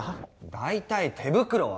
大体手袋は？